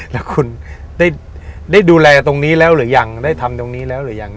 แล้วคุณได้ดูแลตรงนี้แล้วหรือยังได้ทำตรงนี้แล้วหรือยัง